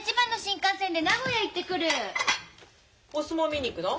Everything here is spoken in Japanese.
お相撲見に行くの？